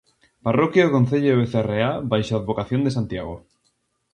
Parroquia do concello de Becerreá baixo a advocación de Santiago.